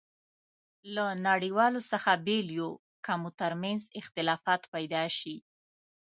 له نړیوالو څخه بېل یو، که مو ترمنځ اختلافات پيدا شي.